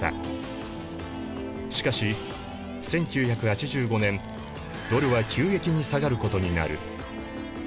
しかし１９８５年ドルは急激に下がることになる。